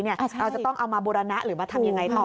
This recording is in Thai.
เราจะต้องเอามาบูรณะหรือมาทำยังไงต่อ